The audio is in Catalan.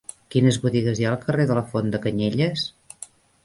Quines botigues hi ha al carrer de la Font de Canyelles?